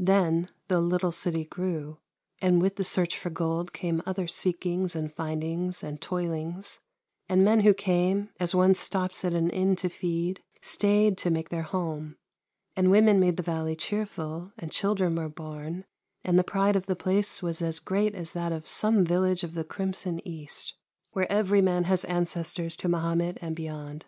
Then the little city grew, and with the search for gold came other seekings and findings and toilings, and men who 336 THE LANE THAT HAD NO TURNING came as one stops at an inn to feed, stayed to make their home, and women made the valley cheerful, and children were born, and the pride of the place was as great as that of some village of the crimson East, where every man has ancestors to Mahomet and beyond.